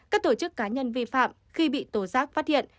các tổ chức cá nhân vi phạm khi bị tổ giác phát hiện